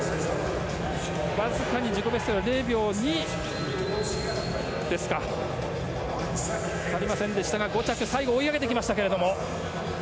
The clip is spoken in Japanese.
わずかに自己ベストよりも０秒２５着、足りませんでしたが最後追い上げてきましたけれども。